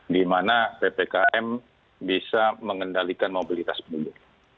di mana ppkm bisa mengendalikan mobilitas penduduk